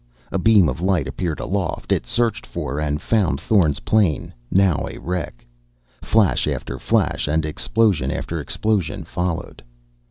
A beam of light appeared aloft. It searched for and found Thorn's plane, now a wreck. Flash after flash and explosion after explosion followed....